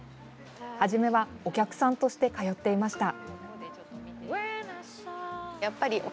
初めはお客さんとして通っていました。